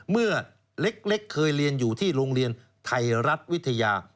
เมื่อเล็กเคยเรียนอยู่ที่โรงเรียนไทยรัฐวิทยา